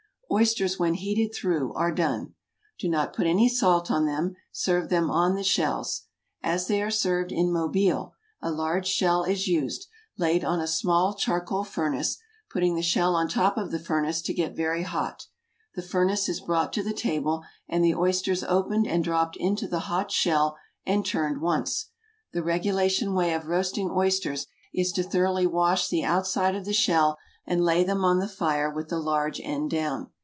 Oysters when heated through are done. Do not put any salt on them. Serve them on the shells. As they are served in Mobile, a large shell is used, laid on a small charcoal furnace, putting the shell on top of the furnace to get very hot; the furnace is brought to the table and the oysters opened and dropped into the hot shell and turned once. The regulation way of roasting oysters is to thoroughly wash the outside of the shell and lay them on the fire with the large end down.